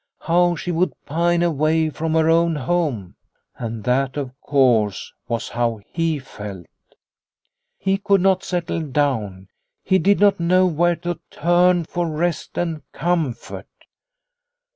How she would pine, away from her own home ! And that, of course, was how he felt. He could not settle down, he did not know where to turn for rest and comfort.